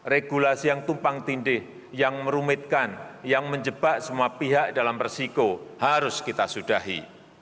regulasi yang tumpang tindih yang merumitkan yang menjebak semua pihak dalam resiko harus kita sudahi